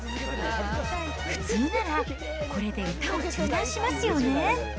普通ならこれで歌を中断しますよね。